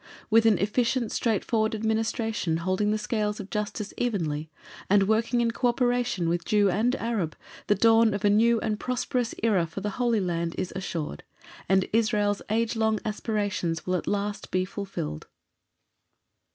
With an efficient straightforward Administration, holding the scales of Justice evenly, and working in co operation with Jew and Arab, the dawn of a new and prosperous era for the Holy Land is assured, and Israel's age long aspirations will at last be fulfilled.